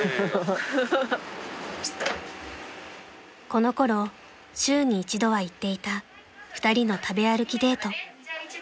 ［このころ週に一度は行っていた２人の食べ歩きデート］